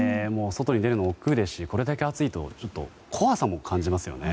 外に出るのもおっくうですしこれだけ暑いとちょっと怖さも感じますよね。